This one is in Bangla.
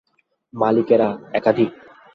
মালিকেরা, একাধিক?